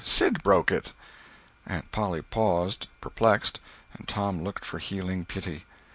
—Sid broke it!" Aunt Polly paused, perplexed, and Tom looked for healing pity.